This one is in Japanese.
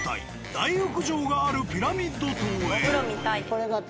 大浴場があるピラミッド棟へ。